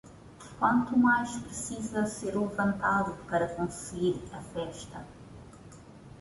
Quanto mais precisa ser levantado para conseguir a festa?